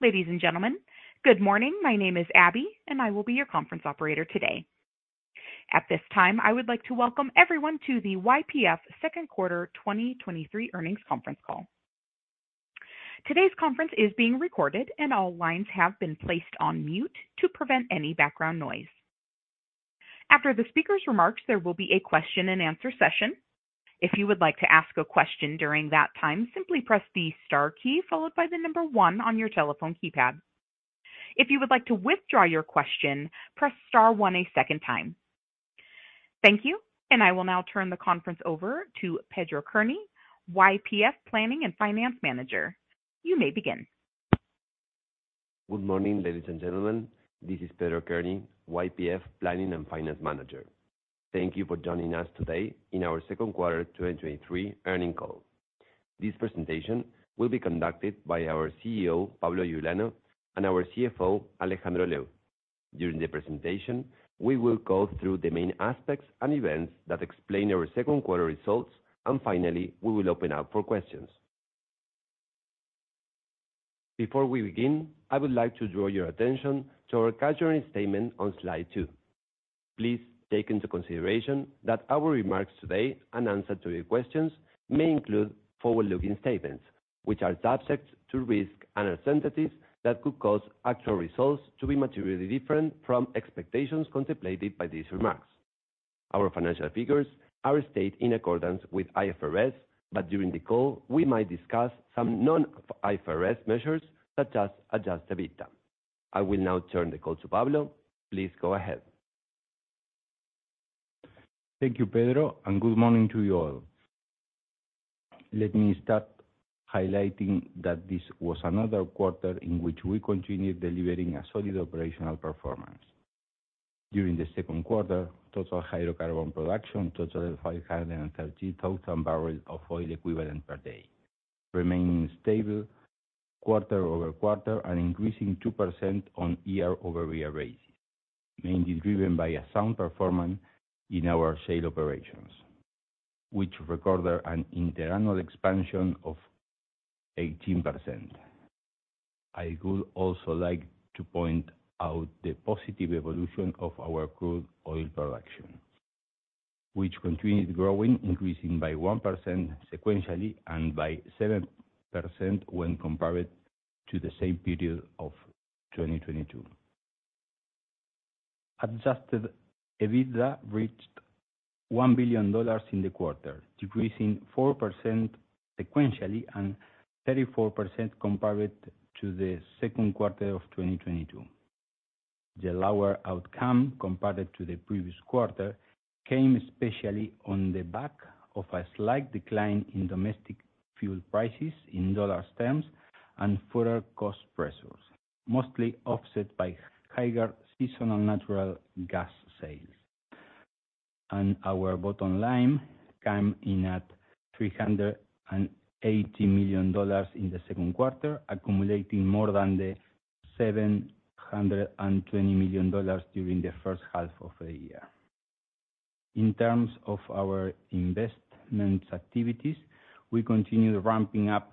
Ladies and gentlemen, good morning. My name is Abby, and I will be your conference operator today. At this time, I would like to welcome everyone to the YPF Second Quarter 2023 earnings conference call. Today's conference is being recorded, and all lines have been placed on mute to prevent any background noise. After the speaker's remarks, there will be a question and answer session. If you would like to ask a question during that time, simply press the star key followed by one on your telephone keypad. If you would like to withdraw your question, press star one a second time. Thank you. I will now turn the conference over to Pedro Kearney, YPF Planning and Finance Manager. You may begin. Good morning, ladies and gentlemen, this is Pedro Kearney, YPF, Planning and Finance Manager. Thank you for joining us today in our second quarter 2023 earnings call. This presentation will be conducted by our CEO, Pablo Iuliano, and our CFO, Alejandro Lew. During the presentation, we will go through the main aspects and events that explain our second quarter results, and finally, we will open up for questions. Before we begin, I would like to draw your attention to our cautionary statement on slide two. Please take into consideration that our remarks today, and answer to your questions, may include forward-looking statements, which are subject to risks and uncertainties that could cause actual results to be materially different from expectations contemplated by these remarks. Our financial figures are stated in accordance with IFRS, but during the call, we might discuss some non-IFRS measures, such as adjusted EBITDA. I will now turn the call to Pablo. Please go ahead. Thank you, Pedro, and good morning to you all. Let me start highlighting that this was another quarter in which we continued delivering a solid operational performance. During the second quarter, total hydrocarbon production totaled 530,000 barrels of oil equivalent per day, remaining stable quarter-over-quarter and increasing 2% on year-over-year basis, mainly driven by a sound performance in our shale operations, which recorded an internal expansion of 18%. I would also like to point out the positive evolution of our crude oil production, which continued growing, increasing by 1% sequentially, and by 7% when compared to the same period of 2022. Adjusted EBITDA reached $1 billion in the quarter, decreasing 4% sequentially, and 34% compared to the second quarter of 2022. The lower outcome compared to the previous quarter came especially on the back of a slight decline in domestic fuel prices in dollar terms and further cost pressures, mostly offset by higher seasonal natural gas sales. Our bottom line came in at $380 million in the second quarter, accumulating more than $720 million during the first half of the year. In terms of our investments activities, we continue ramping up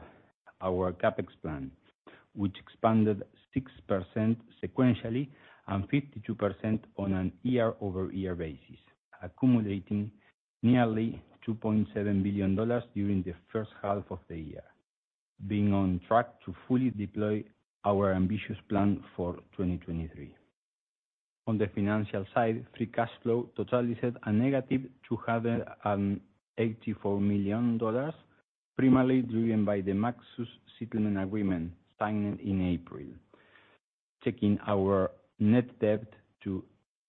our CapEx plan, which expanded 6% sequentially and 52% on a year-over-year basis, accumulating nearly $2.7 billion during the first half of the year, being on track to fully deploy our ambitious plan for 2023. On the financial side, free cash flow total is at a negative $284 million, primarily driven by the Maxus settlement agreement signed in April, taking our net debt to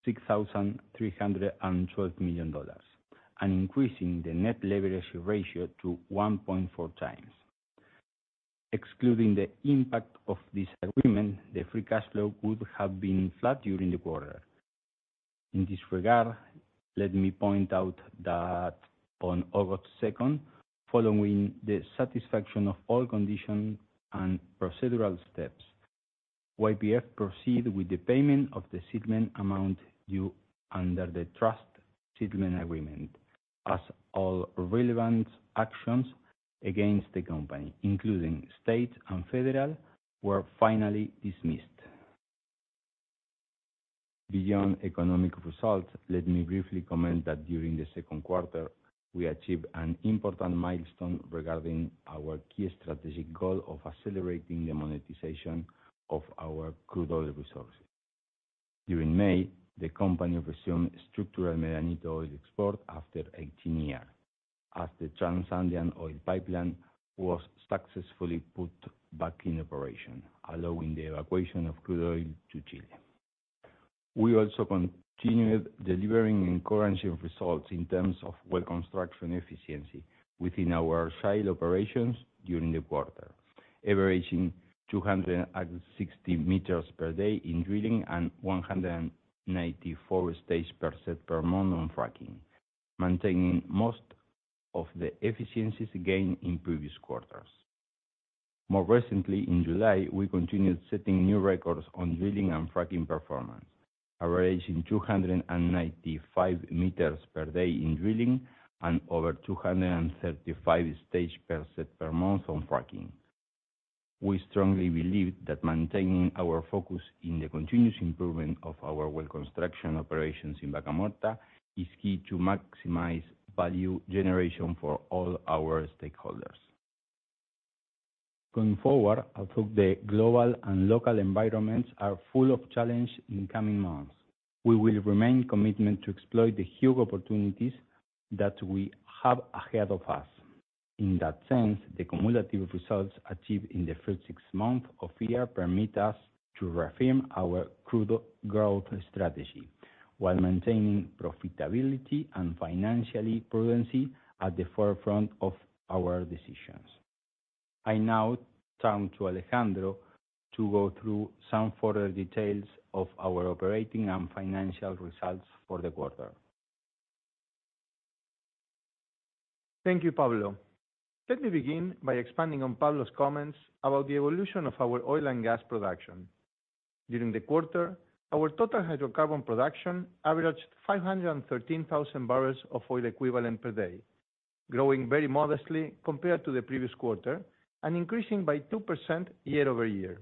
$6,312 million and increasing the net leverage ratio to 1.4 times. Excluding the impact of this agreement, the free cash flow would have been flat during the quarter. In this regard, let me point out that on August 2nd, following the satisfaction of all conditions and procedural steps, YPF proceeded with the payment of the settlement amount due under the trust settlement agreement, as all relevant actions against the company, including state and federal, were finally dismissed. Beyond economic results, let me briefly comment that during the second quarter, we achieved an important milestone regarding our key strategic goal of accelerating the monetization of our crude oil resources. During May, the company resumed structural Medanito oil export after 18 years, as the Trasandino oil pipeline was successfully put back in operation, allowing the evacuation of crude oil to Chile. We also continued delivering encouraging results in terms of well construction efficiency within our site operations during the quarter, averaging 260 meters per day in drilling and 194 stages per set, per month on fracking, maintaining most of the efficiencies gained in previous quarters. More recently, in July, we continued setting new records on drilling and fracking performance, averaging 295 meters per day in drilling and over 235 stage per set per month on fracking. We strongly believe that maintaining our focus in the continuous improvement of our well construction operations in Vaca Muerta is key to maximize value generation for all our stakeholders. Going forward, although the global and local environments are full of challenge in coming months, we will remain committed to exploit the huge opportunities that we have ahead of us. In that sense, the cumulative results achieved in the first 6 months of year permit us to reaffirm our crude growth strategy, while maintaining profitability and financially prudency at the forefront of our decisions. I now turn to Alejandro to go through some further details of our operating and financial results for the quarter. Thank you, Pablo. Let me begin by expanding on Pablo's comments about the evolution of our oil and gas production. During the quarter, our total hydrocarbon production averaged 513,000 barrels of oil equivalent per day, growing very modestly compared to the previous quarter, and increasing by 2% year-over-year.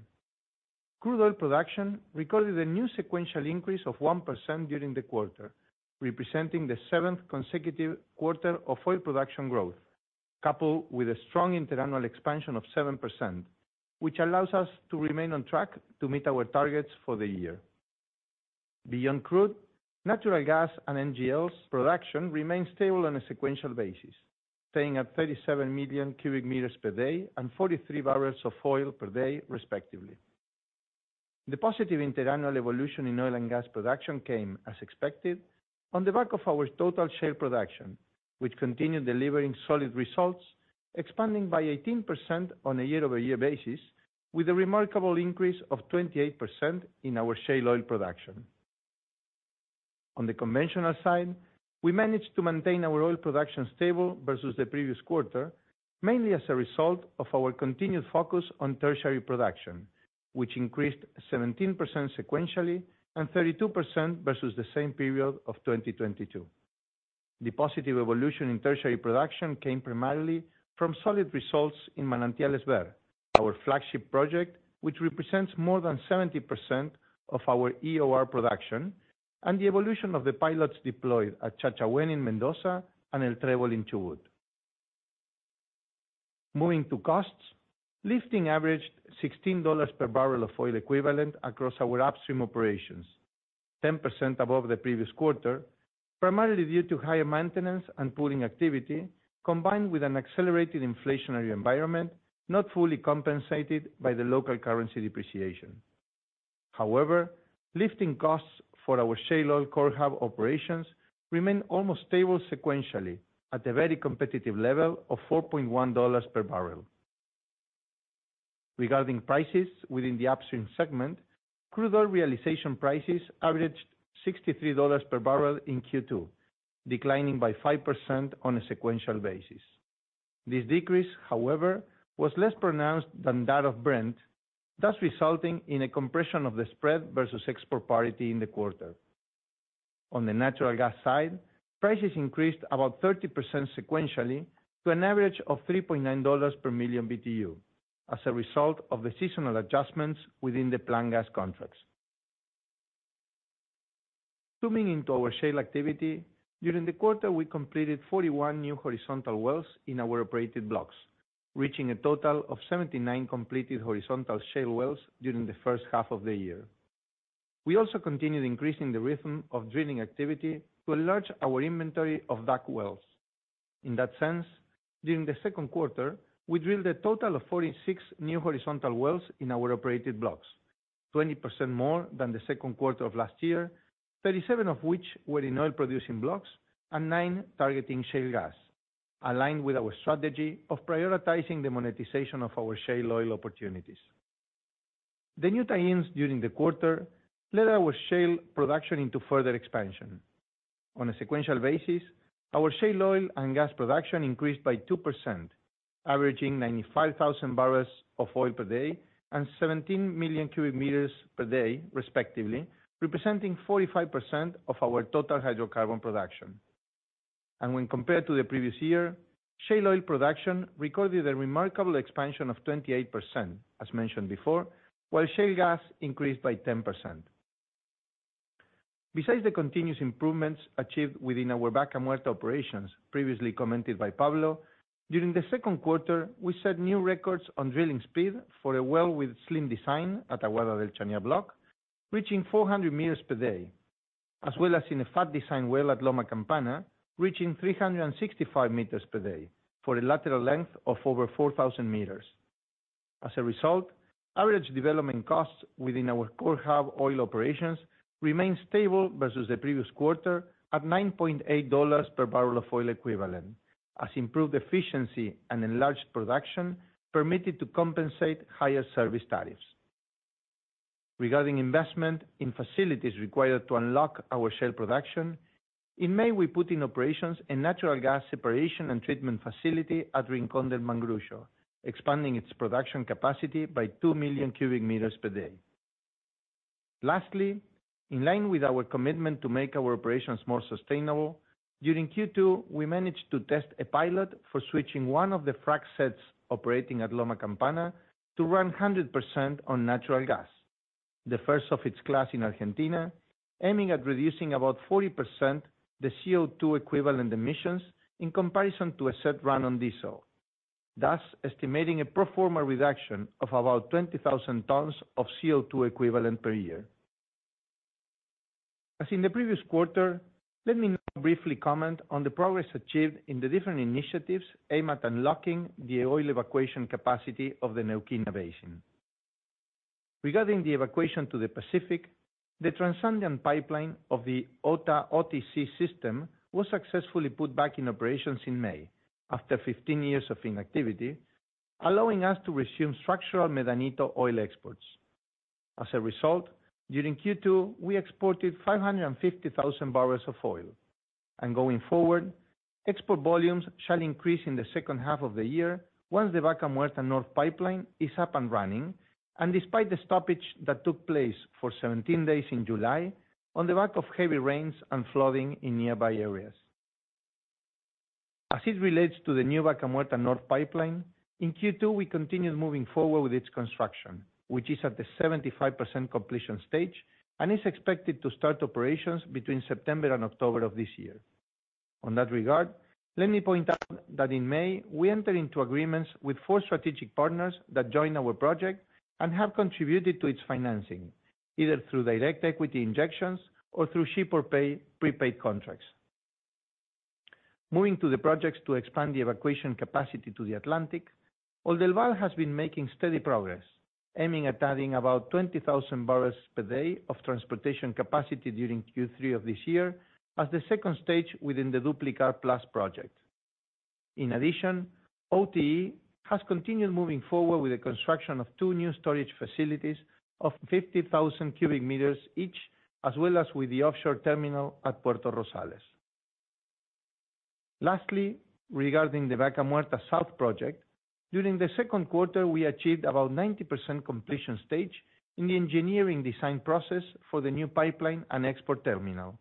Crude oil production recorded a new sequential increase of 1% during the quarter, representing the 7th consecutive quarter of oil production growth, coupled with a strong internal expansion of 7%, which allows us to remain on track to meet our targets for the year. Beyond crude, natural gas and NGLs production remains stable on a sequential basis, staying at 37 million cubic meters per day and 43 barrels of oil per day, respectively. The positive interannual evolution in oil and gas production came as expected on the back of our total share production, which continued delivering solid results, expanding by 18% on a year-over-year basis, with a remarkable increase of 28% in our shale oil production. On the conventional side, we managed to maintain our oil production stable versus the previous quarter, mainly as a result of our continued focus on tertiary production, which increased 17% sequentially and 32% versus the same period of 2022. The positive evolution in tertiary production came primarily from solid results in Manantiales Behr, our flagship project, which represents more than 70% of our EOR production, and the evolution of the pilots deployed at Chachahuen in Mendoza and El Trebol in Chubut. Moving to costs, lifting averaged $16 per barrel of oil equivalent across our upstream operations, 10% above the previous quarter, primarily due to higher maintenance and pulling activity, combined with an accelerated inflationary environment, not fully compensated by the local currency depreciation. However, lifting costs for our shale oil core hub operations remain almost stable sequentially, at a very competitive level of $4.1 per barrel. Regarding prices within the upstream segment, crude oil realization prices averaged $63 per barrel in Q2, declining by 5% on a sequential basis. This decrease, however, was less pronounced than that of Brent, thus resulting in a compression of the spread versus export parity in the quarter. On the natural gas side, prices increased about 30% sequentially, to an average of $3.9 per million BTU, as a result of the seasonal adjustments within the planned gas contracts. Zooming into our shale activity, during the quarter, we completed 41 new horizontal wells in our operated blocks, reaching a total of 79 completed horizontal shale wells during the first half of the year. We also continued increasing the rhythm of drilling activity to enlarge our inventory of back wells. In that sense, during the second quarter, we drilled a total of 46 new horizontal wells in our operated blocks, 20% more than the second quarter of last year, 37 of which were in oil-producing blocks and nine targeting shale gas, aligned with our strategy of prioritizing the monetization of our shale oil opportunities. The new tie-ins during the quarter led our shale production into further expansion. On a sequential basis, our shale oil and gas production increased by 2%, averaging 95,000 barrels of oil per day and 17 million cubic meters per day, respectively, representing 45% of our total hydrocarbon production. When compared to the previous year, shale oil production recorded a remarkable expansion of 28%, as mentioned before, while shale gas increased by 10%. Besides the continuous improvements achieved within our Vaca Muerta operations, previously commented by Pablo, during the second quarter, we set new records on drilling speed for a well with slim design at Aguada del Chañar Block, reaching 400 meters per day, as well as in a fat design well at Loma Campana, reaching 365 meters per day for a lateral length of over 4,000 meters. As a result, average development costs within our core hub oil operations remained stable versus the previous quarter, at $9.8 per barrel of oil equivalent, as improved efficiency and enlarged production permitted to compensate higher service tariffs. Regarding investment in facilities required to unlock our shale production, in May, we put in operations a natural gas separation and treatment facility at Rincón del Mangrullo, expanding its production capacity by 2 million cubic meters per day. Lastly, in line with our commitment to make our operations more sustainable, during Q2, we managed to test a pilot for switching one of the frac sets operating at Loma Campana to run 100% on natural gas, the first of its class in Argentina, aiming at reducing about 40% the CO2 equivalent emissions in comparison to a set run on diesel, thus estimating a pro forma reduction of about 20,000 tons of CO2 equivalent per year. As in the previous quarter, let me now briefly comment on the progress achieved in the different initiatives aimed at unlocking the oil evacuation capacity of the Neuquén Basin. Regarding the evacuation to the Pacific, the Trasandino pipeline of the OTA-OTC system was successfully put back in operations in May, after 15 years of inactivity, allowing us to resume structural Medanito oil exports. As a result, during Q2, we exported 550,000 barrels of oil. Going forward, export volumes shall increase in the second half of the year once the Vaca Muerta Norte Pipeline is up and running, despite the stoppage that took place for 17 days in July, on the back of heavy rains and flooding in nearby areas. As it relates to the new Vaca Muerta Norte Pipeline, in Q2, we continued moving forward with its construction, which is at the 75% completion stage, and is expected to start operations between September and October of this year. On that regard, let me point out that in May, we entered into agreements with 4 strategic partners that joined our project and have contributed to its financing, either through direct equity injections or through ship-or-pay prepaid contracts. Moving to the projects to expand the evacuation capacity to the Atlantic, Oldelval has been making steady progress, aiming at adding about 20,000 barrels per day of transportation capacity during Q3 of this year as the second stage within the Duplicar Plus project. In addition, OTE has continued moving forward with the construction of two new storage facilities of 50,000 cubic meters each, as well as with the offshore terminal at Puerto Rosales. Lastly, regarding the Vaca Muerta Sur project, during the second quarter, we achieved about 90% completion stage in the engineering design process for the new pipeline and export terminal,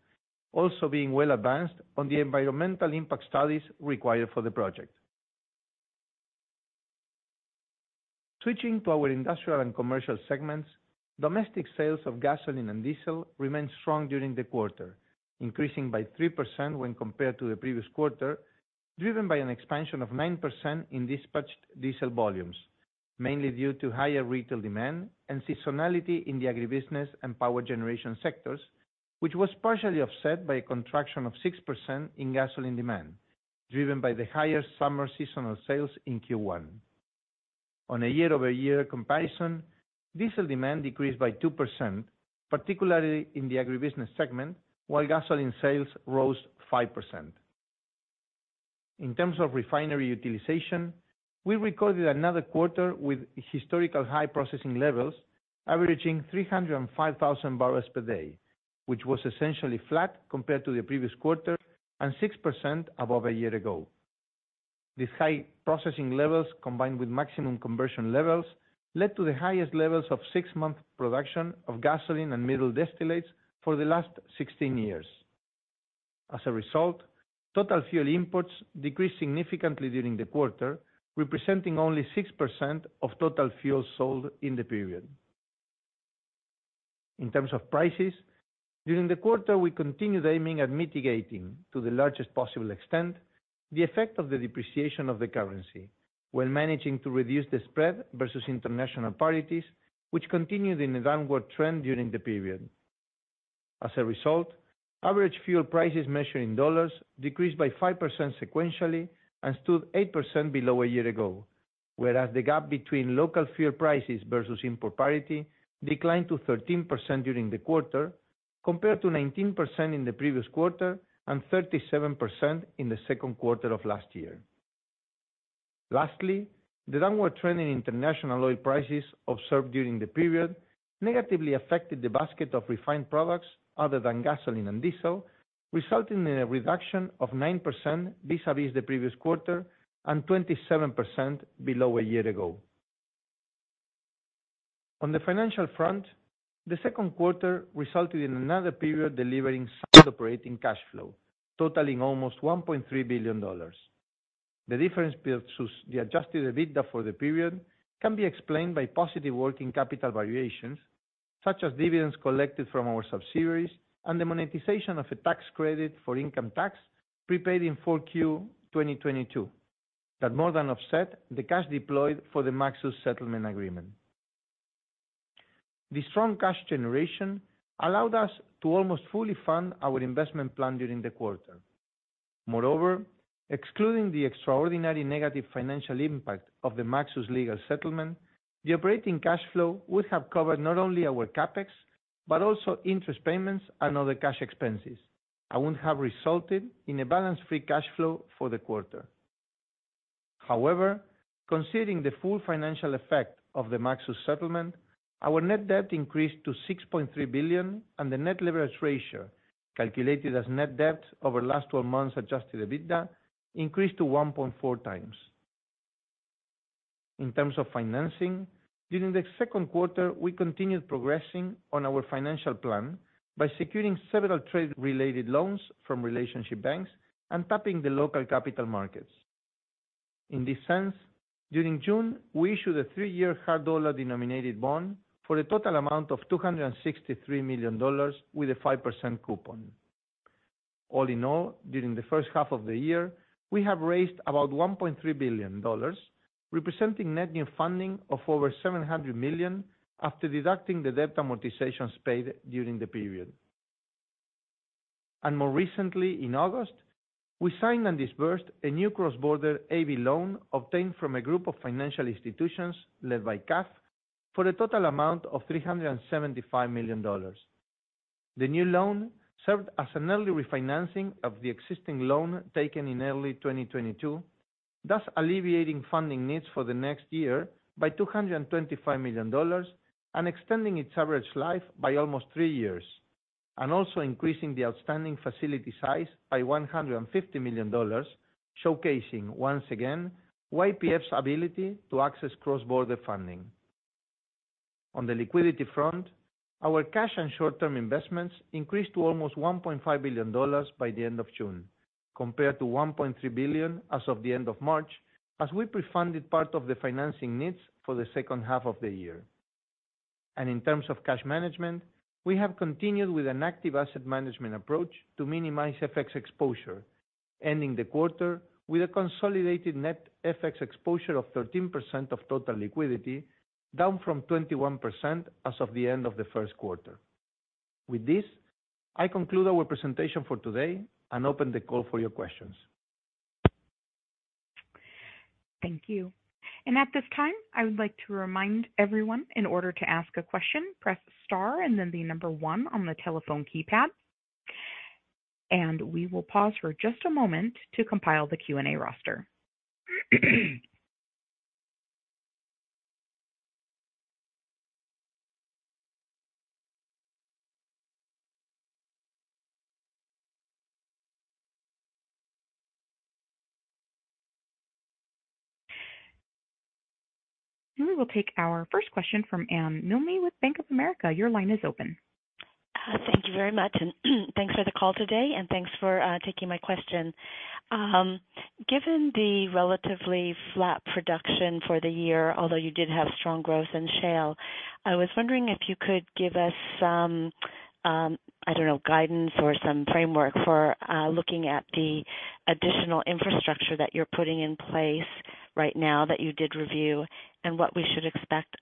also being well advanced on the environmental impact studies required for the project. Switching to our industrial and commercial segments, domestic sales of gasoline and diesel remained strong during the quarter, increasing by 3% when compared to the previous quarter, driven by an expansion of 9% in dispatched diesel volumes. Mainly due to higher retail demand and seasonality in the agribusiness and power generation sectors, which was partially offset by a contraction of 6% in gasoline demand, driven by the higher summer seasonal sales in Q1. On a year-over-year comparison, diesel demand decreased by 2%, particularly in the agribusiness segment, while gasoline sales rose 5%. In terms of refinery utilization, we recorded another quarter with historical high processing levels, averaging 305,000 barrels per day, which was essentially flat compared to the previous quarter, and 6% above a year ago. These high processing levels, combined with maximum conversion levels, led to the highest levels of six-month production of gasoline and middle distillates for the last 16 years. As a result, total fuel imports decreased significantly during the quarter, representing only 6% of total fuel sold in the period. In terms of prices, during the quarter, we continued aiming at mitigating to the largest possible extent, the effect of the depreciation of the currency, while managing to reduce the spread versus international parities, which continued in a downward trend during the period. As a result, average fuel prices measured in dollars decreased by 5% sequentially and stood 8% below a year ago, whereas the gap between local fuel prices versus import parity declined to 13% during the quarter, compared to 19% in the previous quarter, and 37% in the second quarter of last year. Lastly, the downward trend in international oil prices observed during the period negatively affected the basket of refined products other than gasoline and diesel, resulting in a reduction of 9% vis-à-vis the previous quarter, and 27% below a year ago. On the financial front, the second quarter resulted in another period delivering sound operating cash flow, totaling almost $1.3 billion. The difference between the adjusted EBITDA for the period can be explained by positive working capital variations, such as dividends collected from our subsidiaries and the monetization of a tax credit for income tax, prepaid in 4Q 2022. That more than offset the cash deployed for the Maxus settlement agreement. The strong cash generation allowed us to almost fully fund our investment plan during the quarter. Moreover, excluding the extraordinary negative financial impact of the Maxus legal settlement, the operating cash flow would have covered not only our CapEx, but also interest payments and other cash expenses, and would have resulted in a balanced free cash flow for the quarter. However, considering the full financial effect of the Maxus settlement, our net debt increased to $6.3 billion, and the net leverage ratio, calculated as net debt over the last 12 months adjusted EBITDA, increased to 1.4 times. In terms of financing, during the second quarter, we continued progressing on our financial plan by securing several trade-related loans from relationship banks and tapping the local capital markets. In this sense, during June, we issued a 3-year hard dollar denominated bond for a total amount of $263 million with a 5% coupon. All in all, during the first half of the year, we have raised about $1.3 billion, representing net new funding of over $700 million, after deducting the debt amortizations paid during the period. More recently, in August, we signed and disbursed a new cross-border A/B loan obtained from a group of financial institutions led by CAF, for a total amount of $375 million. The new loan served as an early refinancing of the existing loan taken in early 2022, thus alleviating funding needs for the next year by $225 million and extending its average life by almost three years, and also increasing the outstanding facility size by $150 million, showcasing once again, YPF's ability to access cross-border funding. On the liquidity front, our cash and short-term investments increased to almost $1.5 billion by the end of June, compared to $1.3 billion as of the end of March, as we pre-funded part of the financing needs for the second half of the year. In terms of cash management, we have continued with an active asset management approach to minimize FX exposure, ending the quarter with a consolidated net FX exposure of 13% of total liquidity, down from 21% as of the end of the first quarter. With this, I conclude our presentation for today and open the call for your questions. Thank you. At this time, I would like to remind everyone, in order to ask a question, press star and then the number 1 on the telephone keypad. We will pause for just a moment to compile the Q&A roster. We will take our first question from Anne Milne with Bank of America. Your line is open. Thank you very much, and thanks for the call today, and thanks for taking my question. Given the relatively flat production for the year, although you did have strong growth in shale, I was wondering if you could give us some, I don't know, guidance or some framework for looking at the additional infrastructure that you're putting in place right now that you did review, and what we should expect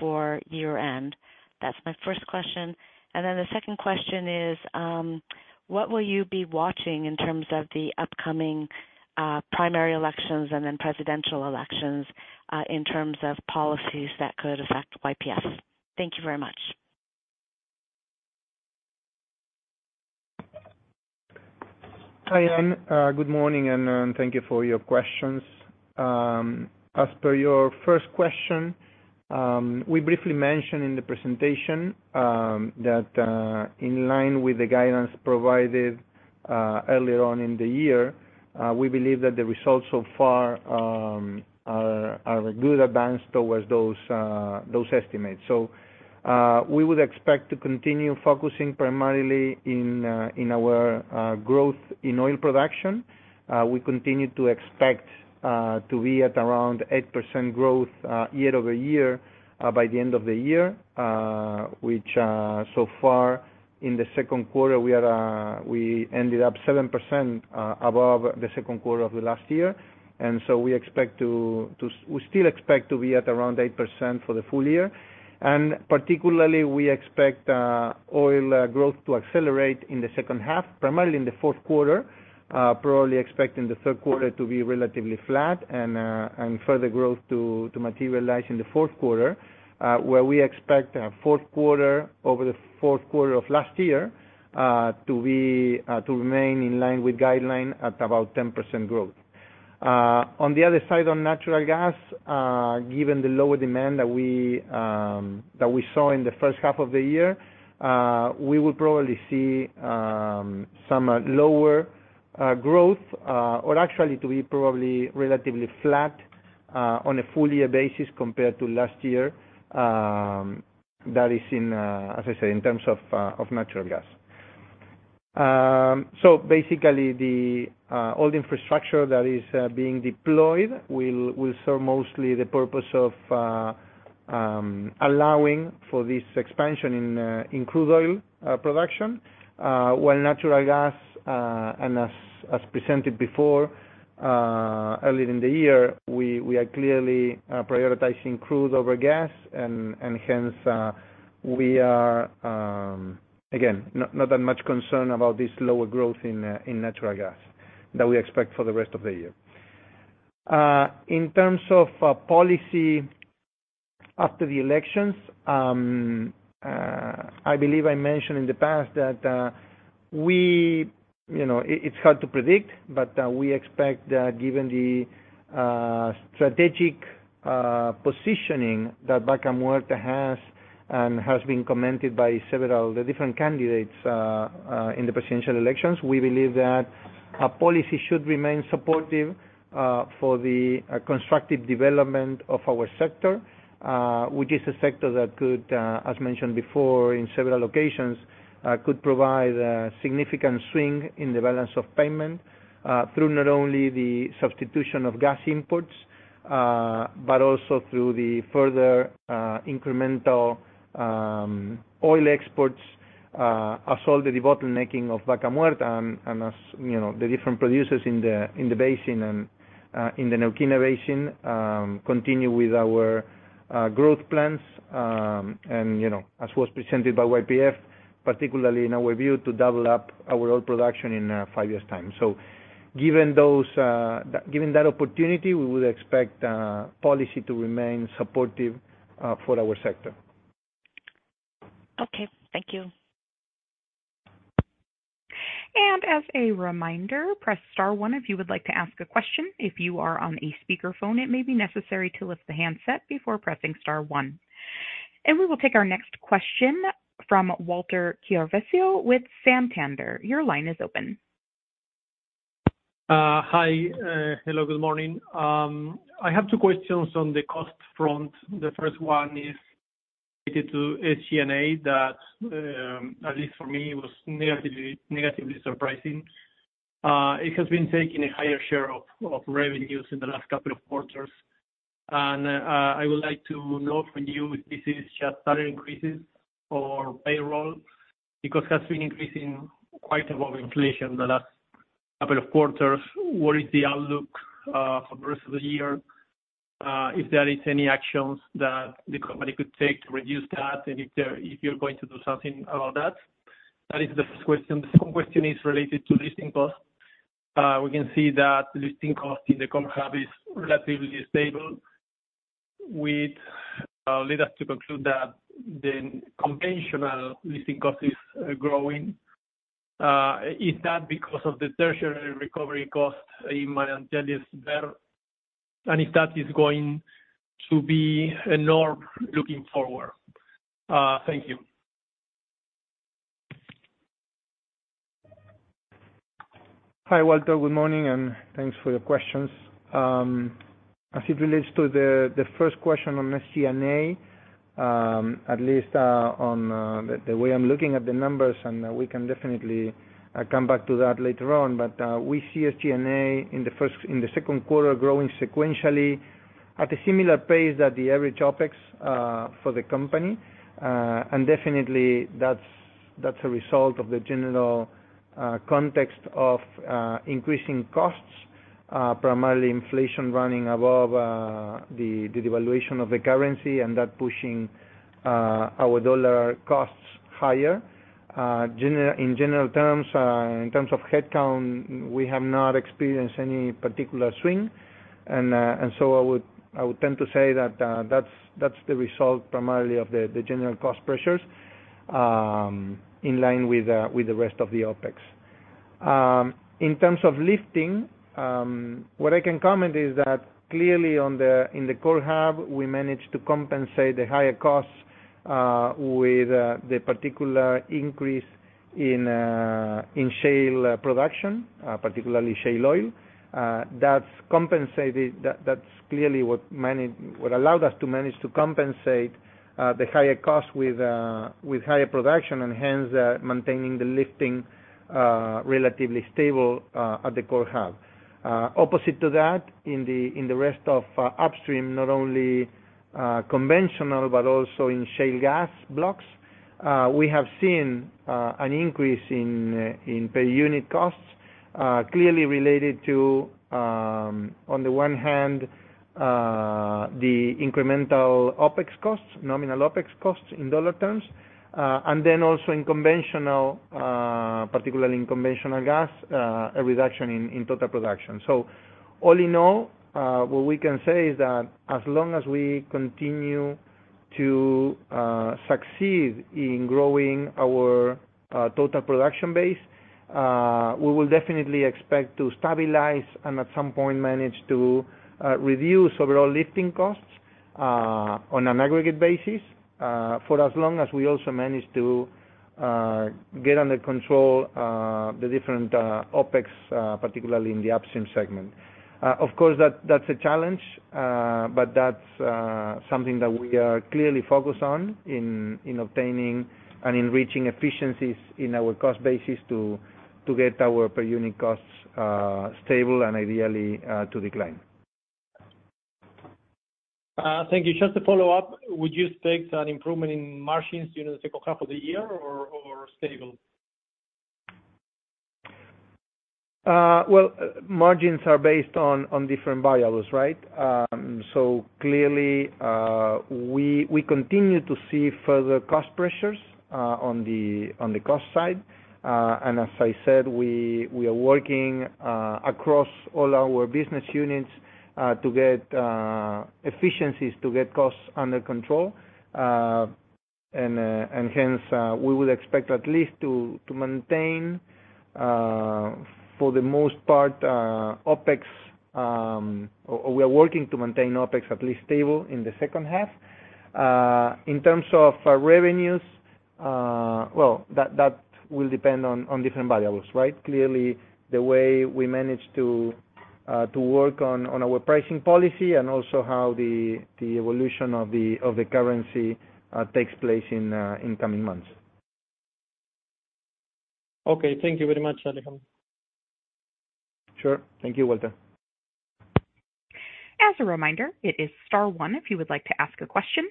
for year-end. That's my first question. The second question is, what will you be watching in terms of the upcoming primary elections and then presidential elections in terms of policies that could affect YPF? Thank you very much. Hi, Anne. good morning, and thank you for your questions. As per your first question, we briefly mentioned in the presentation that in line with the guidance provided earlier on in the year, we believe that the results so far are a good advance towards those estimates. We would expect to continue focusing primarily in in our growth in oil production. We continue to expect to be at around 8% growth year-over-year by the end of the year, which so far in the second quarter, we are, we ended up 7% above the second quarter of the last year. We still expect to be at around 8% for the full year. Particularly, we expect oil growth to accelerate in the second half, primarily in the fourth quarter, probably expecting the third quarter to be relatively flat and further growth to materialize in the fourth quarter, where we expect a fourth quarter, over the fourth quarter of last year, to be, to remain in line with guideline at about 10% growth. On the other side, on natural gas, given the lower demand that we that we saw in the first half of the year, we will probably see some lower growth or actually to be probably relatively flat on a full year basis compared to last year, that is, as I said, in terms of natural gas. Basically the all the infrastructure that is being deployed will will serve mostly the purpose of allowing for this expansion in crude oil production, while natural gas, and as presented before, earlier in the year, we are clearly prioritizing crude over gas. Hence, we are again, not that much concerned about this lower growth in natural gas that we expect for the rest of the year. In terms of policy-... After the elections, I believe I mentioned in the past that, we, you know, it's hard to predict, but, we expect that given the strategic positioning that Vaca Muerta has, and has been commented by several of the different candidates in the presidential elections, we believe that a policy should remain supportive for the constructive development of our sector. Which is a sector that could, as mentioned before in several occasions, could provide a significant swing in the balance of payment, through not only the substitution of gas imports, but also through the further, incremental oil exports, as all the bottlenecking of Vaca Muerta and as, you know, the different producers in the basin and in the Neuquén Basin, continue with our growth plans, and, you know, as was presented by YPF, particularly in our view, to double up our oil production in 5 years' time. Given those, given that opportunity, we would expect policy to remain supportive for our sector. Okay, thank you. As a reminder, press star one if you would like to ask a question. If you are on a speakerphone, it may be necessary to lift the handset before pressing star one. We will take our next question from Walter Chiarvesio with Santander. Your line is open. Hi, hello, good morning. I have 2 questions on the cost front. The first one is related to SG&A that, at least for me, was negatively, negatively surprising. It has been taking a higher share of, of revenues in the last couple of quarters. I would like to know from you if this is just salary increases or payroll, because it has been increasing quite above inflation the last couple of quarters. What is the outlook for the rest of the year? If there is any actions that the company could take to reduce that, and if there, if you're going to do something about that? That is the first question. The second question is related to lifting costs. We can see that lifting costs in the core hub is relatively stable, which lead us to conclude that the conventional lifting cost is growing. Is that because of the tertiary recovery cost in Mallin-Llao well? And if that is going to be a norm looking forward? Thank you. Hi, Walter. Good morning. Thanks for your questions. As it relates to the first question on SG&A, at least on the way I'm looking at the numbers, and we can definitely come back to that later on, but we see SG&A in the second quarter, growing sequentially at a similar pace at the average OpEx for the company. And definitely that's, that's a result of the general context of increasing costs, primarily inflation running above the devaluation of the currency, and that pushing our dollar costs higher. In general terms, in terms of headcount, we have not experienced any particular swing. I would, I would tend to say that, that's, that's the result primarily of the, the general cost pressures, in line with, with the rest of the OpEx. In terms of lifting, what I can comment is that clearly on the, in the Core Hub, we managed to compensate the higher costs, with, the particular increase in, in shale, production, particularly shale oil. That's compensated, that, that's clearly what allowed us to manage to compensate, the higher costs with, with higher production, and hence, maintaining the lifting, relatively stable, at the Core Hub. Opposite to that, in the rest of upstream, not only conventional, but also in shale gas blocks, we have seen an increase in per unit costs, clearly related to on the one hand, the incremental OpEx costs, nominal OpEx costs in dollar terms, and then also in conventional, particularly in conventional gas, a reduction in total production. All in all, what we can say is that as long as we continue to succeed in growing our total production base, we will definitely expect to stabilize, and at some point manage to reduce overall lifting costs on an aggregate basis, for as long as we also manage to get under control the different OpEx, particularly in the upstream segment. Of course, that, that's a challenge, but that's something that we are clearly focused on in, in obtaining and in reaching efficiencies in our cost basis to, to get our per unit costs stable and ideally to decline. Thank you. Just to follow up, would you expect an improvement in margins during the second half of the year or, or stable? Well, margins are based on, on different variables, right? Clearly, we, we continue to see further cost pressures on the, on the cost side. As I said, we, we are working across all our business units to get efficiencies, to get costs under control, and hence, we would expect at least to maintain, for the most part, OpEx, or we are working to maintain OpEx at least stable in the second half. In terms of revenues, well, that, that will depend on, on different variables, right? Clearly, the way we manage to work on, on our pricing policy and also how the, the evolution of the, of the currency takes place in coming months. Okay, thank you very much, Alejandro. Sure. Thank you, Walter. As a reminder, it is star one if you would like to ask a question.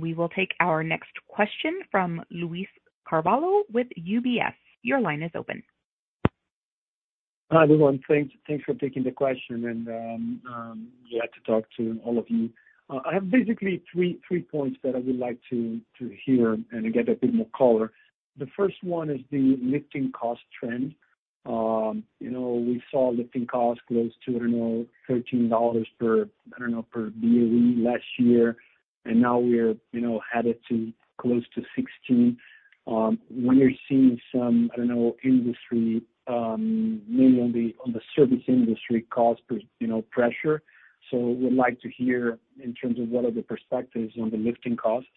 We will take our next question from Luiz Carvalho with UBS. Your line is open. Hi, everyone. Thanks, thanks for taking the question, and, glad to talk to all of you. I have basically three, three points that I would like to, to hear and get a bit more color. The first one is the lifting cost trend. You know, we saw lifting costs close to, I don't know, $13 per, I don't know, per BOE last year, and now we are, you know, headed to close to $16. We are seeing some, I don't know, industry, mainly on the, on the service industry cost press, you know, pressure. Would like to hear in terms of what are the perspectives on the lifting costs.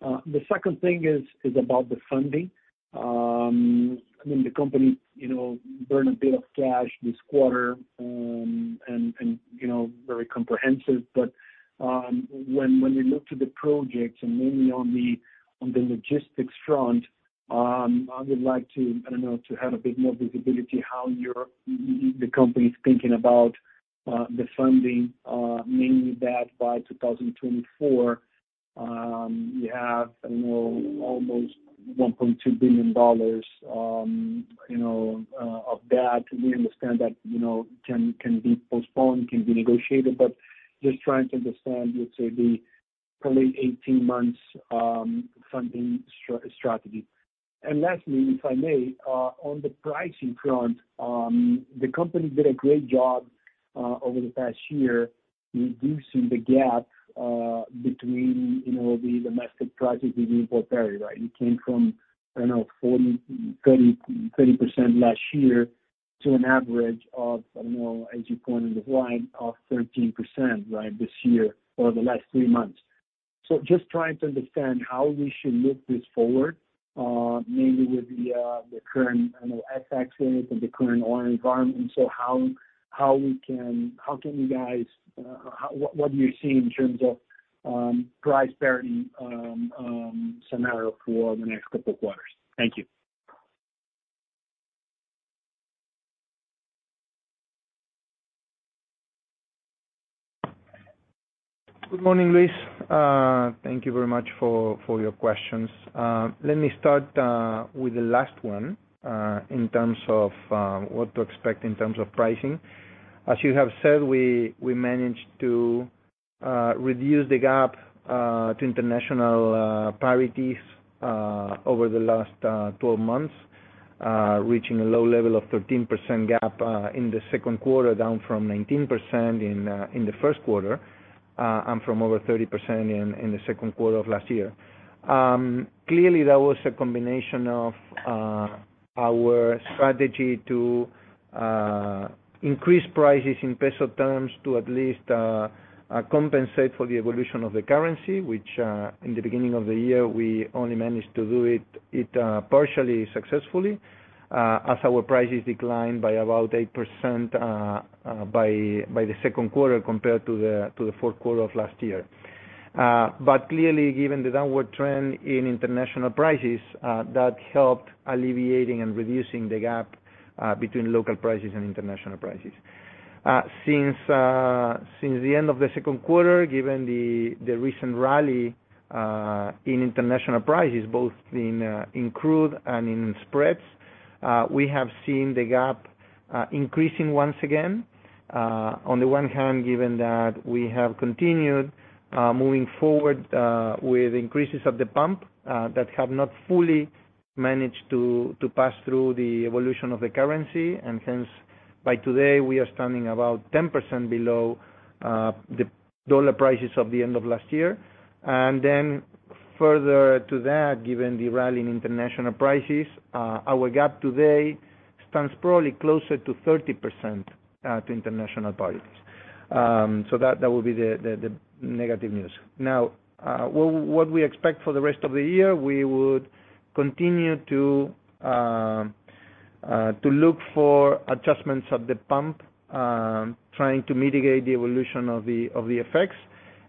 The second thing is, is about the funding. I mean, the company, you know, burned a bit of cash this quarter, and, and, you know, very comprehensive. When, when we look to the projects and mainly on the logistics front, I would like to, I don't know, to have a bit more visibility how you're, the company's thinking about the funding, mainly that by 2024, you have, I don't know, almost $1.2 billion, you know, of that. We understand that, you know, can, can be postponed, can be negotiated, but just trying to understand, let's say, the probably 18 months, funding strategy. Lastly, if I may, on the pricing front, the company did a great job over the past year, reducing the gap between, you know, the domestic prices and the import parity, right? It came from 40%, 30%, 30% last year to an average of, as you pointed out, of 13%, right, this year or the last three months. Just trying to understand how we should look this forward, mainly with the current FX in it and the current oil environment. How, how can you guys, what, what do you see in terms of price parity scenario for the next couple of quarters? Thank you. Good morning, Luiz. Thank you very much for, for your questions. Let me start with the last one in terms of what to expect in terms of pricing. As you have said, we, we managed to reduce the gap to international parities over the last 12 months, reaching a low level of 13% gap in the second quarter, down from 19% in the first quarter, and from over 30% in the second quarter of last year. Clearly, that was a combination of our strategy to increase prices in peso terms to at least compensate for the evolution of the currency, which in the beginning of the year, we only managed to do it partially successfully, as our prices declined by about 8% by the second quarter compared to the fourth quarter of last year. Clearly, given the downward trend in international prices, that helped alleviating and reducing the gap between local prices and international prices. Since the end of the second quarter, given the recent rally in international prices, both in crude and in spreads, we have seen the gap increasing once again. On the one hand, given that we have continued moving forward with increases at the pump that have not fully managed to, to pass through the evolution of the currency. Hence, by today, we are standing about 10% below the dollar prices of the end of last year. Then further to that, given the rally in international prices, our gap today stands probably closer to 30% to international parities. That, that would be the, the, the negative news. Now, what, what we expect for the rest of the year, we would continue to to look for adjustments at the pump, trying to mitigate the evolution of the, of the effects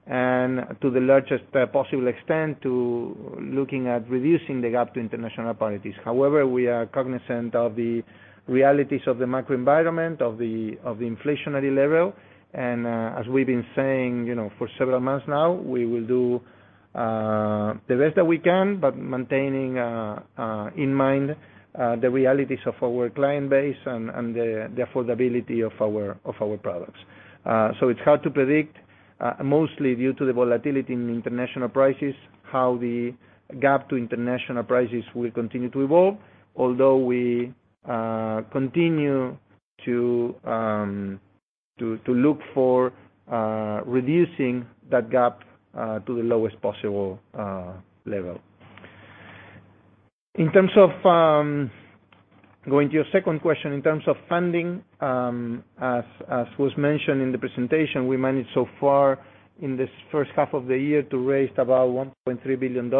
and to the largest possible extent, to looking at reducing the gap to international parities. However, we are cognizant of the realities of the macro environment, of the inflationary level. As we've been saying, you know, for several months now, we will do the best that we can, but maintaining in mind the realities of our client base and the affordability of our products. So it's hard to predict mostly due to the volatility in international prices, how the gap to international prices will continue to evolve, although we continue to look for reducing that gap to the lowest possible level. In terms of going to your second question, in terms of funding, as was mentioned in the presentation, we managed so far in this first half of the year to raise about $1.3 billion.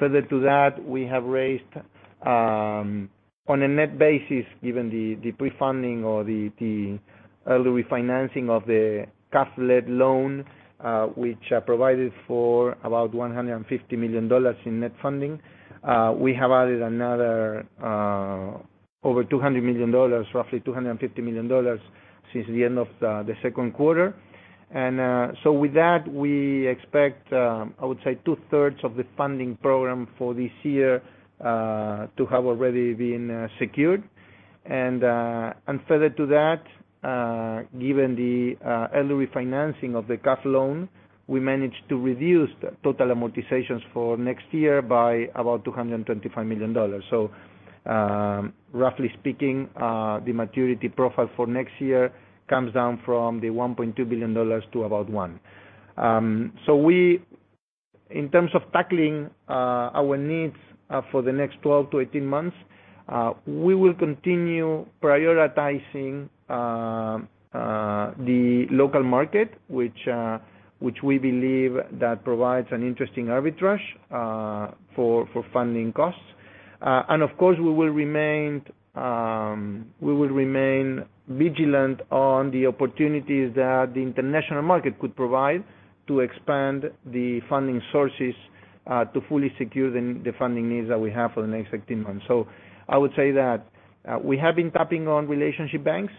Further to that, we have raised on a net basis, given the pre-funding or the early refinancing of the CAF-led loan, which provided for about $150 million in net funding. We have added another over $200 million, roughly $250 million, since the end of the second quarter. With that, we expect I would say two-thirds of the funding program for this year to have already been secured. Further to that, given the early refinancing of the CAF loan, we managed to reduce total amortizations for next year by about $225 million. Roughly speaking, the maturity profile for next year comes down from the $1.2 billion to about one. We, in terms of tackling our needs for the next 12 months-18 months, we will continue prioritizing the local market, which we believe that provides an interesting arbitrage for funding costs. Of course, we will remain vigilant on the opportunities that the international market could provide to expand the funding sources, to fully secure the funding needs that we have for the next 18 months. I would say that we have been tapping on relationship banks.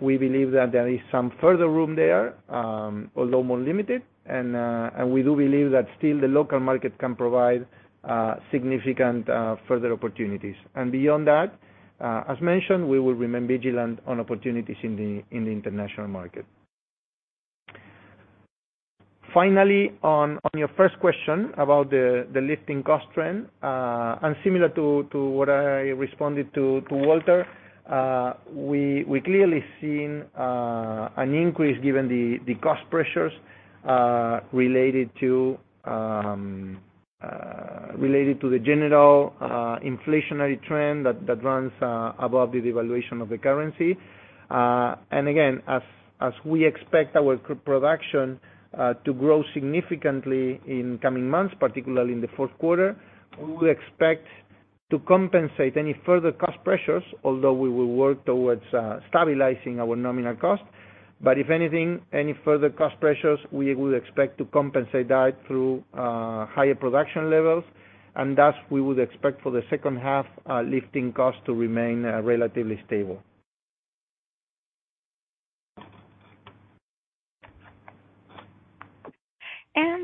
We believe that there is some further room there, although more limited. We do believe that still the local market can provide significant further opportunities. Beyond that, as mentioned, we will remain vigilant on opportunities in the international market. Finally, on, on your first question about the, the lifting cost trend, and similar to, to what I responded to, to Walter, we, we clearly seen an increase given the, the cost pressures, related to, related to the general, inflationary trend that, that runs, above the devaluation of the currency. Again, as, as we expect our production, to grow significantly in coming months, particularly in the 4th quarter, we will expect to compensate any further cost pressures, although we will work towards, stabilizing our nominal cost. If anything, any further cost pressures, we will expect to compensate that through, higher production levels, and thus, we would expect for the second half, lifting costs to remain, relatively stable.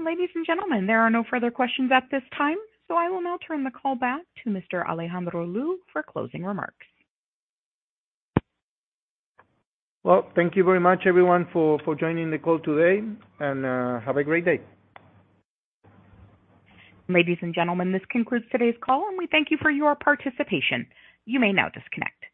Ladies and gentlemen, there are no further questions at this time, so I will now turn the call back to Mr. Alejandro Lew for closing remarks. Well, thank you very much, everyone, for, for joining the call today, have a great day. Ladies and gentlemen, this concludes today's call, and we thank you for your participation. You may now disconnect.